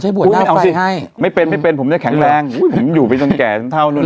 จะให้บวชหน้าไฟให้ไม่เป็นไม่เป็นผมจะแข็งแรงอุ้ยผมอยู่ไปจนแก่เท่านู้น